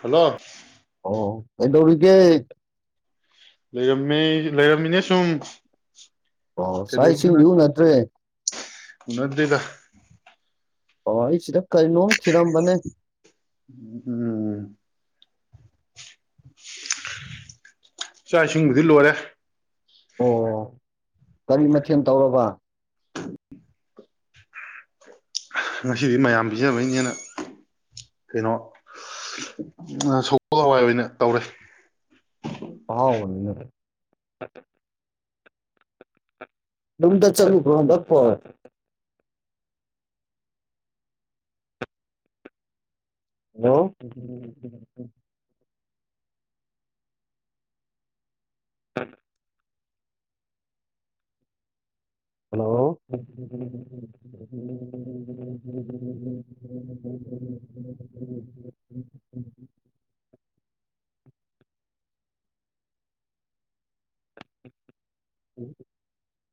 Hello. ꯑꯣ ꯀꯩꯗꯧꯔꯤꯒꯦ꯫ ꯂꯩꯔꯝꯃꯦ ꯂꯩꯔꯝꯃꯤꯅꯦ ꯁꯨꯝ꯫ ꯑꯣ ꯆꯥꯛ ꯏꯁꯤꯡ [unintelligible] ꯎꯅꯗꯔꯤꯗ꯫ ꯑꯣ ꯑꯩ ꯁꯤꯗ ꯀꯩꯅꯣꯝ ꯊꯤꯔꯝꯕꯅꯦ꯫ ꯎꯝ ꯆꯥꯛ ꯏꯁꯤꯡꯕꯨꯗꯤ ꯂꯣꯏꯔꯦ ꯑꯣ ꯀꯔꯤ ꯃꯊꯦꯜ ꯇꯧꯔꯕ ꯉꯁꯤꯗꯤ ꯃꯌꯥꯝ ꯄꯤꯖꯅꯕꯩꯅꯦꯅ ꯀꯩꯅꯣ ꯁꯒꯣꯜ ꯍꯋꯥꯏ ꯑꯣꯏꯅ ꯇꯧꯔꯦ ꯄꯥꯎꯅ ꯑꯗꯨꯝꯗ ꯆꯂ ꯐ꯭ꯔꯣꯗꯄ ꯍꯜꯂꯣ ꯊꯃꯦ ꯍꯜꯂꯣ [inaudible]